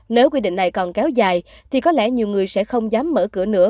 nếu quy định này còn kéo dài thì có lẽ nhiều người sẽ không dám mở cửa nữa